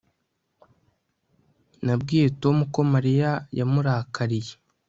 Nabwiye Tom ko Mariya yamurakariye